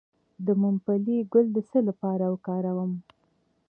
د ممپلی ګل د څه لپاره وکاروم؟